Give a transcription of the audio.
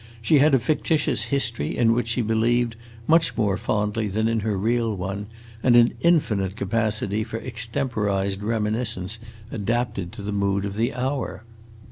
She had a fictitious history in which she believed much more fondly than in her real one, and an infinite capacity for extemporized reminiscence adapted to the mood of the hour.